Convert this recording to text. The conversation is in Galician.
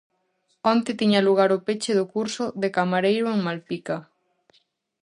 Onte tiña lugar o peche do curso de camareiro en Malpica.